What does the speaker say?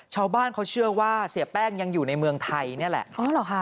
ชาวบ้านเขาเชื่อว่าเสียแป้งยังอยู่ในเมืองไทยนี่แหละอ๋อเหรอคะ